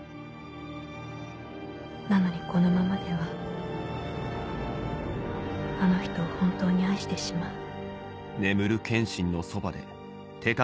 「なのにこのままではあの人を本当に愛してしまう」。